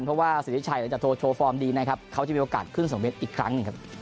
เพราะว่าสิริชัยจะโทรโชว์ฟอร์มดีนะครับเขาจะมีโอกาสขึ้นสองเมตรอีกครั้ง